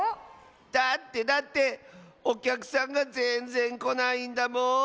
だってだっておきゃくさんがぜんぜんこないんだもん。